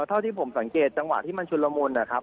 เท่าที่ผมสังเกตจังหวะที่มันชุนละมุนนะครับ